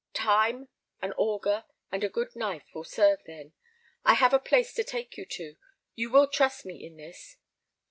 "Time, an auger, and a good knife will serve then. I have a place to take you to. You will trust me in this?"